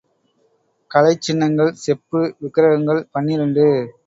கலைச் சின்னங்கள் செப்பு விக்ரகங்கள் பனிரண்டு .